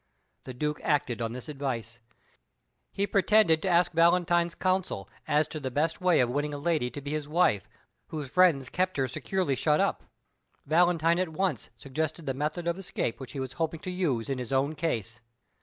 The Duke acted on this advice. He pretended to ask Valentine's counsel as to the best way of winning a lady to be his wife, whose friends kept her securely shut up. Valentine at once suggested the method of escape which he was hoping to use in his own case.